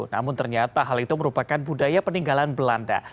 namun ternyata hal itu merupakan budaya peninggalan belanda